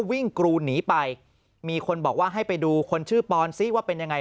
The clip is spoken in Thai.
กรูหนีไปมีคนบอกว่าให้ไปดูคนชื่อปอนซิว่าเป็นยังไง